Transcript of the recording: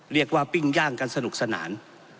เรียกว่าปิ้งย่างกันสนุกสนาน